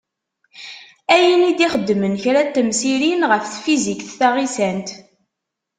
Ayen i d-ixeddmen kra n temsirin ɣef Tfizikt taɣisant.